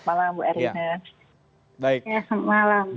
selamat malam bu erlin